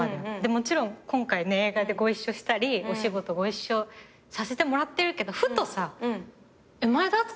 もちろん今回ね映画でご一緒したりお仕事ご一緒させてもらってるけどふとさえっ？